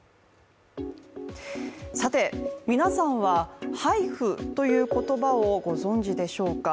さて、皆さんはＨＩＦＵという言葉をご存じでしょうか。